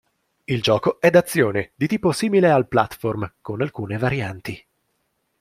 Il gioco è d'azione di tipo simile al "platform", con alcune varianti.